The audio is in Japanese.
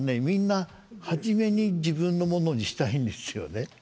みんな初めに自分のものにしたいんですよね。